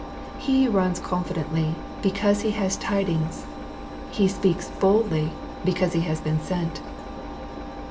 He runs confidently, because he has tidings. He speaks boldly, because he has been sent.